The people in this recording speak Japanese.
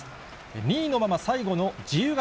２位のまま最後の自由形。